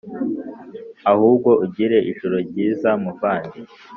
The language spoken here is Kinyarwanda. ahubwo ugire ijoro ryiza muvandi